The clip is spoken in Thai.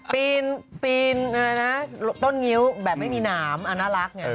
ปีนต้นงิ้วแบบไม่มีหนามอ่าน่ารัก